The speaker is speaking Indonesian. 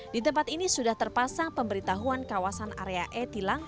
di tempat ini sudah terpasang pemberitahuan kawasan area e tilang